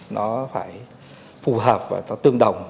nó phải phù hợp và tương đồng